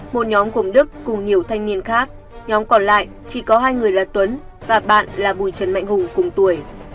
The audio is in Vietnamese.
một nhóm gồm đức cùng nhiều thanh niên khác nhóm còn lại chỉ có hai người là tuấn và bạn là bùi trần mạnh hùng cùng tuổi